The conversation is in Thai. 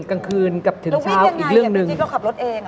กลางคืนกลับถึงเช้าอีกเรื่องหนึ่งอีกเรื่องหนึ่งแล้ววิ่งยังไง